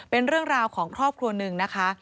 เป็นเรื่องราวของครอบครัวหนึ่งนะคะ